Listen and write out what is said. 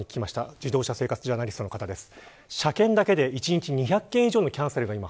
自動車ジャーナリストの方です。